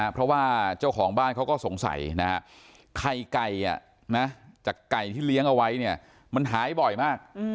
เพราะว่าเจ้าของบ้านเขาก็สงสัยนะฮะไข่ไก่จากไก่ที่เลี้ยงเอาไว้เนี่ยมันหายบ่อยมาก